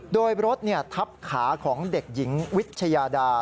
โดยรถทับขาของเด็กหญิงวิชยาดา